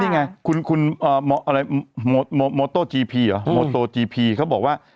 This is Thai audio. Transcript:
นี่ไงคุณโมโต้จีพีเขาบอกว่า